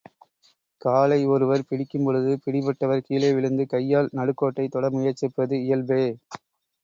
காலை ஒருவர் பிடிக்கும்பொழுது, பிடிபட்டவர் கீழே விழுந்து கையால் நடுக்கோட்டைத் தொட முயற்சிப்பது இயல்பே.